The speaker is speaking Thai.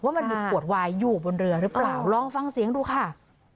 มันมีขวดวายอยู่บนเรือหรือเปล่าลองฟังเสียงดูค่ะ